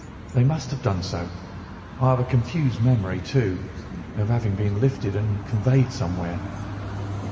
"They must have done so. I have a confused memory, too, of having been lifted and conveyed somewhere."